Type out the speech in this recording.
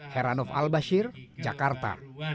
heranov al bashir jakarta